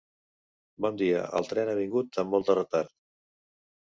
Bon dia, el tren ha vingut amb molt de retard.